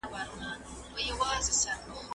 که د ګيلې وخت وای نو ما به هم کړې وای .